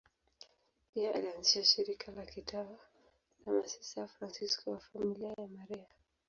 Pia alianzisha shirika la kitawa la Masista Wafransisko wa Familia ya Maria.